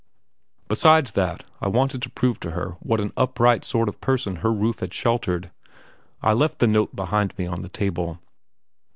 Besides that, I wanted to prove to her what an upright sort of person her roof had sheltered. I left the note behind me on the table.